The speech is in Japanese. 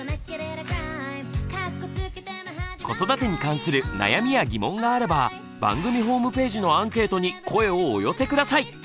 子育てに関する悩みや疑問があれば番組ホームページのアンケートに声をお寄せ下さい。